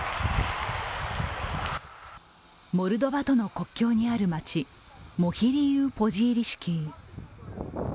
モルドバとの国境にある町モヒリーウ・ポジーリシキー。